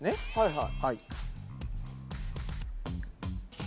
はいはい。